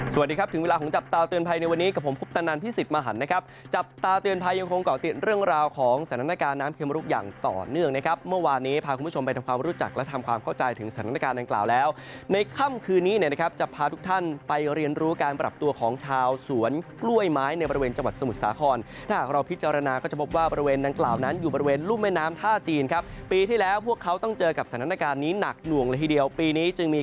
สวัสดีครับถึงเวลาของจับตาเตือนภัยในวันนี้กับผมพุทธนันทร์พิสิทธิ์มาหันนะครับจับตาเตือนภัยยังคงเกาะเตียนเรื่องราวของสถานการณ์น้ำเครื่องมะลูกอย่างต่อเนื่องนะครับเมื่อวานนี้พาคุณผู้ชมไปทำความรู้จักและทำความเข้าใจถึงสถานการณ์น้ำกล่าวแล้วในค่ำคืนนี้นะครับจะพาทุกท่านไปเรียน